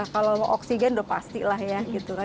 kalau oksigen pasti lah ya